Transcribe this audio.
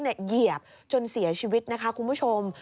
เหยียบจนเสียชีวิตนะคะคุณผู้ชม